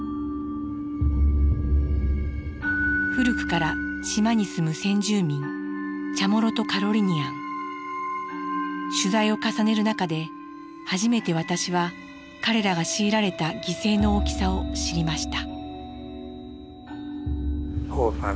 古くから島に住む先住民取材を重ねる中で初めて私は彼らが強いられた犠牲の大きさを知りました。